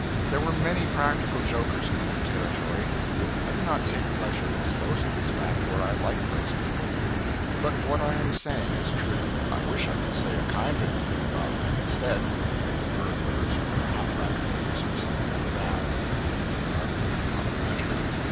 There were many practical jokers in the new Territory. I do not take pleasure in exposing this fact, for I liked those people; but what I am saying is true. I wish I could say a kindlier thing about them instead that they were burglars, or hat rack thieves, or something like that, that wouldn't be utterly uncomplimentary.